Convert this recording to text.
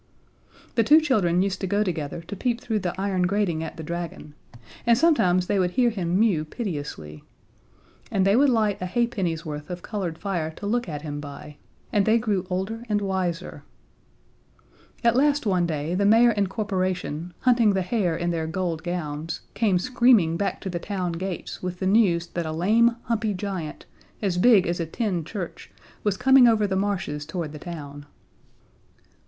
The two children used to go together to peep through the iron grating at the dragon, and sometimes they would hear him mew piteously. And they would light a halfpenny's worth of colored fire to look at him by. And they grew older and wiser. At last one day the mayor and corporation, hunting the hare in their gold gowns, came screaming back to the town gates with the news that a lame, humpy giant, as big as a tin church, was coming over the marshes toward the town.